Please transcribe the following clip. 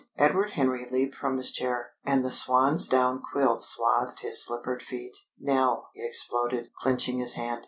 Edward Henry leaped from his chair, and the swansdown quilt swathed his slippered feet. "Nell," he exploded, clenching his hand.